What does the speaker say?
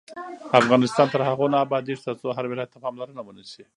افغانستان تر هغو نه ابادیږي، ترڅو هر ولایت ته پاملرنه ونشي.